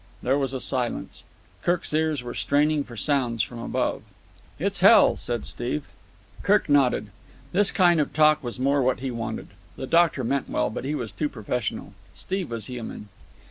There was a silence. Kirk's ears were straining for sounds from above. "It's hell," said Steve. Kirk nodded. This kind of talk was more what he wanted. The doctor meant well, but he was too professional. Steve was human.